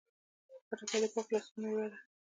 خټکی د پاکو لاسونو میوه ده.